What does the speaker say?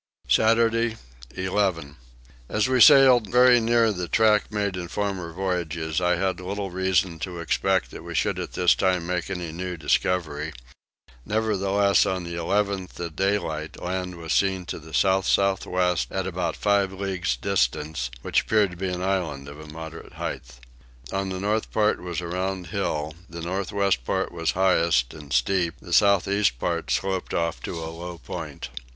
Saturday 11. As we sailed very near the track made in former voyages I had little reason to expect that we should at this time make any new discovery: nevertheless on the 11th at daylight land was seen to the south south west at about five leagues distance, which appeared to be an island of a moderate height. On the north part was a round hill: the north west part was highest and steep: the south east part sloped off to a low point.